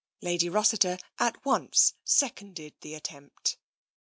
Lady Rossiter at once seconded the attempt.